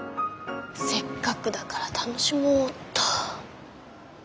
せっかくだから楽しもうっと。